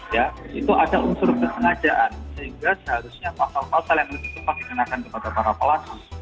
ya itu ada unsur kesengajaan sehingga seharusnya pasal pasal yang lebih tepat dikenakan kepada para pelaku